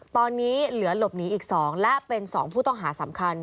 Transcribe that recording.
ตอนนี้เหลือหลบหนีอีก๒และเป็น๒ผู้ต้องหาสำคัญ